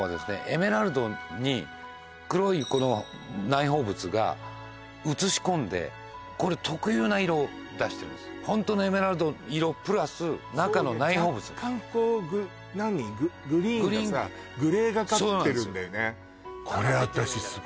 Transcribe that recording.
エメラルドに黒いこの内包物がうつし込んでこれ特有な色を出してるんですホントのエメラルド色プラス中の内包物若干グリーンがさグレーがかってるんだよね